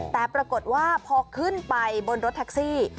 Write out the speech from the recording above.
แต่ปรากฏว่าพอขึ้นไปบนรถแท็กซี่